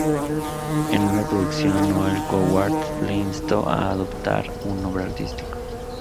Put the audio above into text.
En una producción, Noël Coward le instó a adoptar un nombre artístico.